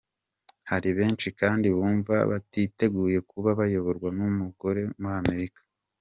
Hari benshi kandi bumva batiteguye kuba bayoborwa n’umugore muri Amerika.